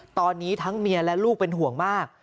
ตอนนี้ทั้งเมียและลูกเป็นห่วงมาก